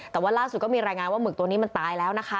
แต่ว่าล่าสุดก็มีรายงานว่าหมึกตัวนี้มันตายแล้วนะคะ